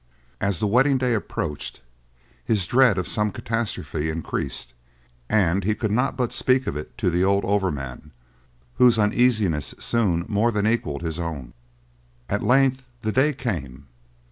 As the wedding day approached, his dread of some catastrophe increased, and he could not but speak of it to the old overman, whose uneasiness soon more than equaled his own. At length the day came.